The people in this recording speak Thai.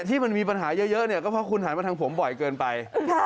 ที่มันมีปัญหาเยอะเนี่ยก็เพราะคุณหันมาทางผมบ่อยเกินไป